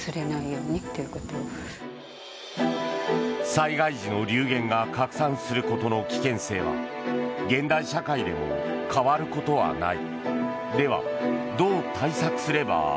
災害時の流言が拡散することの危険性は現代社会でも変わることはない。